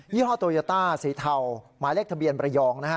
ี่ห้อโตยาต้าสีเทาหมายเลขทะเบียนระยองนะฮะ